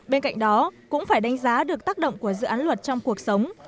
bên cạnh đó cũng phải đánh giá được tác động của dự án luật trong cuộc sống